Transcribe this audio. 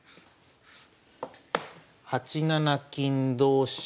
８七金同飛車